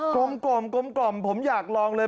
กลมกล่อมกลมกล่อมผมอยากลองเลย